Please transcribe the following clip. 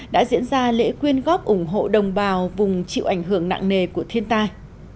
đã diễn ra lễ quyên góp ủng hộ đồng bào vùng chịu ảnh hưởng nặng nề của thiên tai